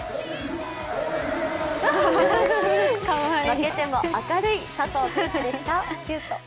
負けても明るい佐藤選手でした。